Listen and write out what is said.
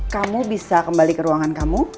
kamu bisa kembali ke ruangan kamu